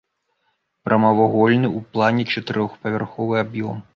Прамавугольны ў плане чатырохпавярховы аб'ём.